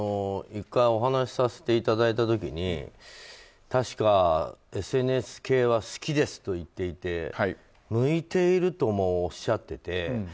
１回お話しさせていただいた時に確かＳＮＳ系は好きですと言っていて向いているともおっしゃっていて。